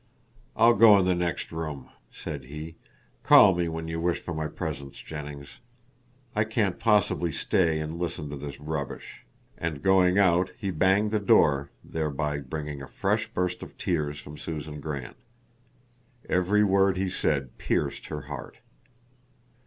"I'll go in the next room," said he, "call me when you wish for my presence, Jennings. I can't possibly stay and listen to this rubbish," and going out, he banged the door, thereby bringing a fresh burst of tears from Susan Grant. Every word he said pierced her heart.